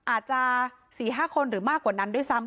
อาจจะ๔๕คนหรือมากกว่านั้นด้วยซ้ำ